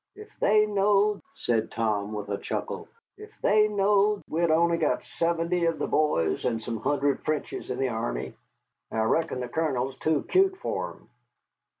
If they knowed," said Tom, with a chuckle, "if they knowed that we'd only got seventy of the boys and some hundred Frenchies in the army! I reckon the Colonel's too cute for 'em."